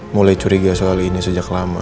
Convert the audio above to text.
mulai curiga soal ini sejak lama